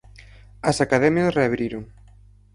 As academias reabriron.